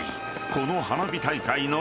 ［この花火大会の］